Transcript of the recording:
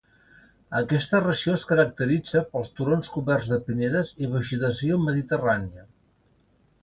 Aquesta regió es caracteritza pels turons coberts de pinedes i vegetació mediterrània.